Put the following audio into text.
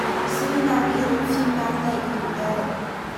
Sui hngakin fimnak ngeih ka duh deuh.